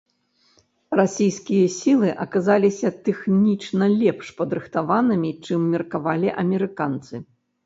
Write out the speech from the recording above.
Расійскія сілы аказаліся тэхнічна лепш падрыхтаванымі, чым меркавалі амерыканцы.